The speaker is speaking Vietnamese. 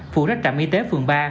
phụ rách trạm y tế phường ba